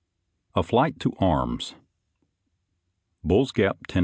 XX A FLIGHT TO ARMS Bull's Gap, Tenn.